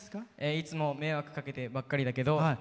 いつも迷惑かけてばっかりだけど